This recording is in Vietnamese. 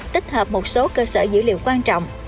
tích hợp một số cơ sở dữ liệu quan trọng